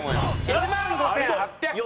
１万５８００回。